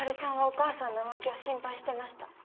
お母さんの浮気を心配してました